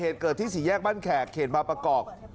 เหตุเกิดที่สี่แยกบ้านแขกเขตบางประกอบ